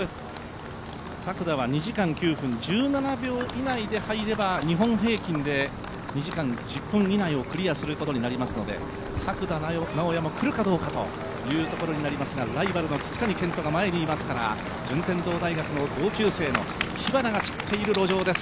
作田は２時間９分１７秒以内で入れば日本平均で２時間１０分以内をクリアすることになりますので、作田直也もくるかどうかというところになりますがライバルの聞谷賢人が前にいますから、順天堂大学の同級生の火花が散っている路上です。